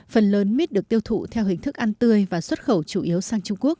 phần lớn mít được tiêu thụ theo hình thức ăn tươi và xuất khẩu chủ yếu sang trung quốc